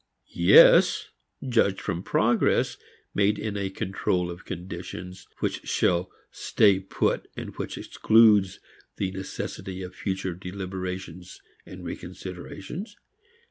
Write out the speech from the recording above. Yes, judged from progress made in a control of conditions which shall stay put and which excludes the necessity of future deliberations and reconsiderations.